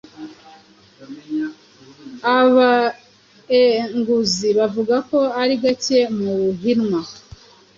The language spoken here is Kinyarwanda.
Abaeenguzi bavuga ko ari gake mu Buhinwa